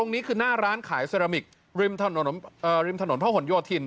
นี่คือหน้าร้านขายเซรามิคริมถนนเอ่อริมถนนเท่าห่วงยวทิน